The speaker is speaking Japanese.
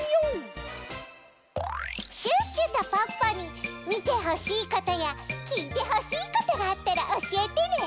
シュッシュとポッポにみてほしいことやきいてほしいことがあったらおしえてね！